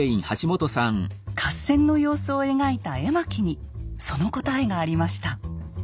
合戦の様子を描いた絵巻にその答えがありました。